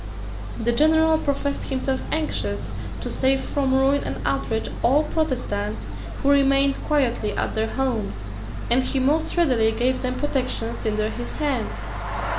The general professed himself anxious to save from ruin and outrage all Protestants who remained quietly at their homes; and he most readily gave them protections tinder his hand.